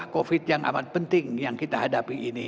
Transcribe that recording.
covid yang amat penting yang kita hadapi ini